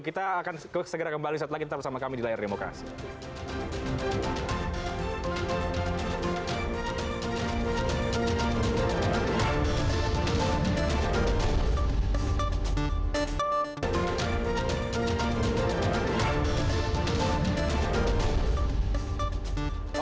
kita akan segera kembali satu lagi bersama kami di layar demokrat sedo